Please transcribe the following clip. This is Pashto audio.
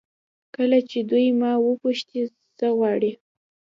کله چې دوی ما وپوښتي څه غواړم.